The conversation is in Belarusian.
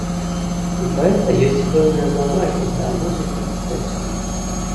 У паэта ёсць пэўныя заўвагі да музыкі і тэксту.